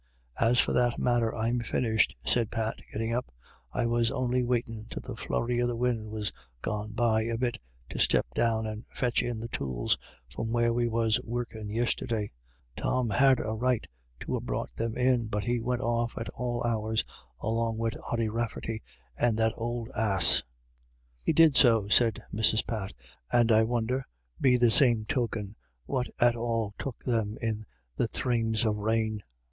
" Oh, for that matter, I'm finished," said Pat, getting up ; "I was on'y waitin' till the flurry o' the win' was gone by a bit to step down and fetch in the tools from where we were workin' yister day. Tom had a right to ha' brought them in, but he went off at all hours along wid Ody Rafferty and th' ould ass." " He did so," said Mrs. Pat, " and I wonder, be the same token, what at all took them in the sthrames of rain.